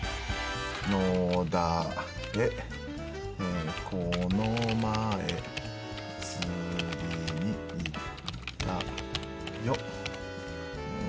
「野田へこの前、釣りに行ったよ。」。